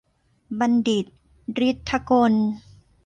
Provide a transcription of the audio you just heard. บัณฑิต ฤทธิ์ถกล